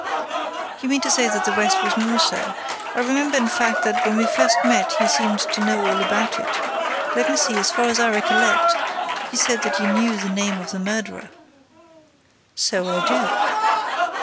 "You mean to say that the rest was more so I remember, in fact, that, when we first met you seemed to know all about it. Let me see, a far as I recollect, you said that you knew the name of the murderer." "So I do."